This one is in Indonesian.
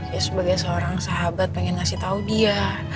dia sebagai seorang sahabat pengen ngasih tahu dia